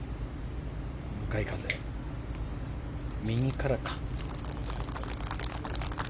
向かい風、右からか。